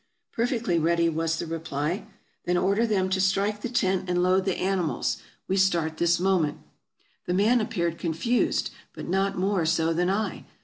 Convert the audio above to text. Perfectly ready, was the reply. " Then order them to strike the tent, and load the animals ; AFRICA 371 we start this moment." The man appeared confused, but not more so than I.